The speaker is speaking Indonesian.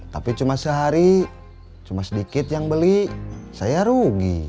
tapi cuma sehari cuma sedikit yang beli saya rugi